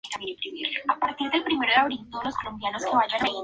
Sus numerosos trabajos incluyen musicales, canciones para películas y canciones Hits.